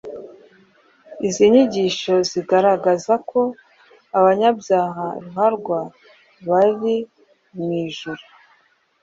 Izo nyigisho zigaragaza ko abanyabyaha ruharwa bari mu ijuru,